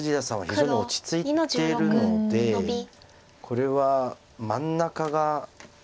非常に落ち着いているのでこれは真ん中が。